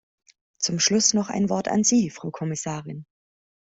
Zum Schluss noch ein Wort an Sie, Frau Kommissarin.